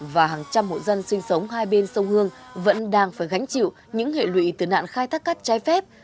và hàng trăm hộ dân sinh sống hai bên sông hương vẫn đang phải gánh chịu những hệ lụy từ nạn khai thác cát trái phép